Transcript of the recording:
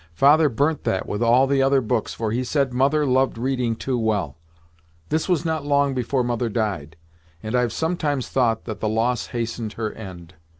Father burnt that with all the other books, for he said Mother loved reading too well. This was not long before mother died, and I've sometimes thought that the loss hastened her end."